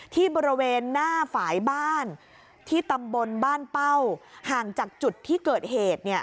ที่บริเวณหน้าฝ่ายบ้านที่ตำบลบ้านเป้าห่างจากจุดที่เกิดเหตุ